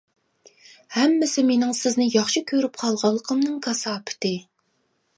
-ھەممىسى مېنىڭ سىزنى ياخشى كۆرۈپ قالغانلىقىمنىڭ كاساپىتى.